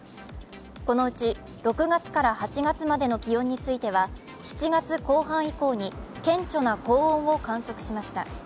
このうち６月から８月までの気温については７月後半以降に顕著な高温を観測しました。